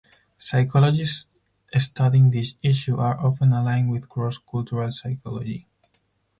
Psychologists studying these issue are often aligned with cross-cultural psychology.